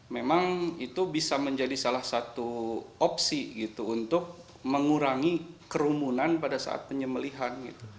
memang itu bisa menjadi salah satu opsi gitu untuk mengurangi kerumunan pada saat penyembelihan